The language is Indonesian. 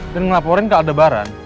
dan ngelaporin ke aldebaran